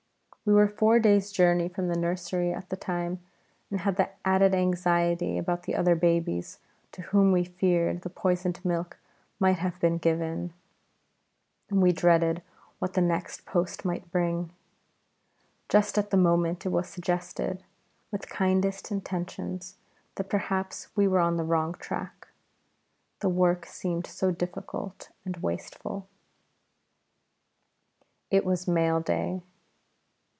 We were four days' journey from the nursery at the time, and had the added anxiety about the other babies, to whom we feared the poisoned milk might have been given, and we dreaded what the next post might bring. Just at that moment it was suggested, with kindest intentions, that perhaps we were on the wrong track, the work seemed so difficult and wasteful. It was mail day.